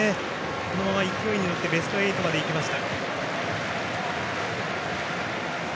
そのまま勢いに乗ってベスト８までいきました。